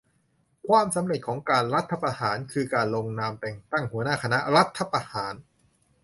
"ความสำเร็จของการรัฐประหาร คือการลงนามแต่งตั้งหัวหน้าคณะรัฐประหาร"